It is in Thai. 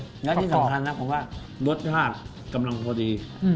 และที่สำคัญนะผมว่ารสชาติกำลังพอดี